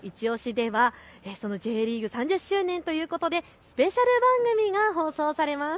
ではそのＪリーグ３０周年ということでスペシャル番組が放送されます。